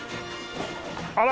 あら。